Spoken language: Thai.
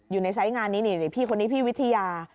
อยู่ในไซส์งานนี้พี่คนนี้พี่วิทยา